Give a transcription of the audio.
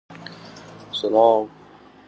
هەر بۆیەش گوتوویانە ژن و ماڵ